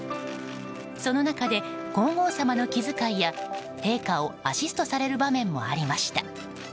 その中で、皇后さまの気遣いや陛下をアシストされる場面もありました。